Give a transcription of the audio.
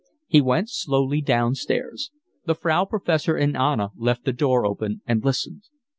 He went slowly downstairs. The Frau Professor and Anna left the door open and listened.